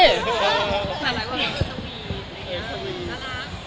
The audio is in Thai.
อร่าง